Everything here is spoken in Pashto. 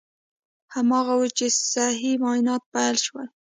هماغه و چې صحي معاینات پیل شول.